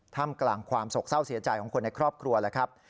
ถ้ำกลางความสกเศร้าเสียใจของคนในครอบครัวนะครับ